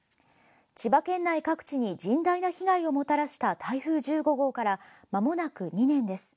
千葉県内各地に甚大な被害をもたらした台風１５号からまもなく２年です。